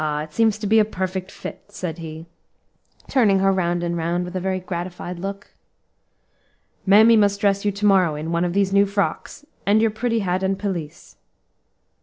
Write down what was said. it seems to be a perfect fit," said he, turning her round and round, with a very gratified look. "Mammy must dress you to morrow in one of these new frocks, and your pretty hat and pelisse."